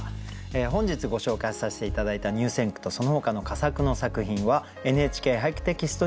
本日ご紹介させて頂いた入選句とそのほかの佳作の作品は「ＮＨＫ俳句」テキストに掲載されます。